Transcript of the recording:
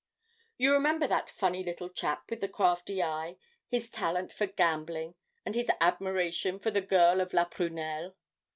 "You remember that funny little chap with the crafty eye, his talent for gambling, and his admiration for the girl of 'La Prunelle'?